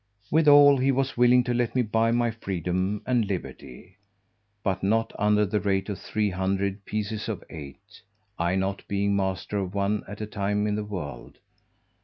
Withal, he was willing to let me buy my freedom and liberty, but not under the rate of three hundred pieces of eight, I not being master of one at a time in the world.